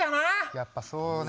やっぱそうね。